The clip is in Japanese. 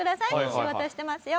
仕事してますよ。